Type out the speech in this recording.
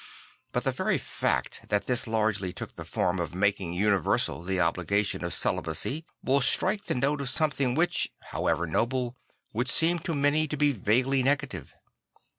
But the very fact that this largely took the form of making universal the obligation of celibacy will strike the note of something which, however noble, would seem to many to be vaguely negative.